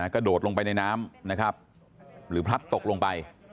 กระโดดลงไปในน้ำนะครับหรือพลัดตกลงไป